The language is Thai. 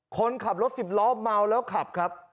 คนขับรถสิบล้อเมาแล้วขับครับ